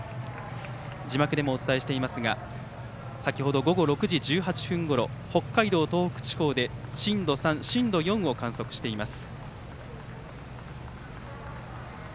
字幕でもお伝えしていますが先程午後６時１８分ごろ北海道、東北地方で震度３、震度４を観測しています。